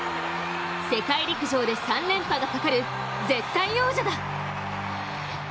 世界陸上で３連覇がかかる絶対王者だ。